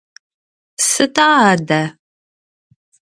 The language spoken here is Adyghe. Сыда адэ?